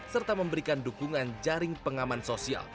serta memberikan dukungan jaring pengaman sosial